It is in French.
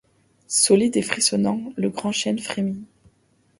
Solide et frissonnant, le grand chêne frémit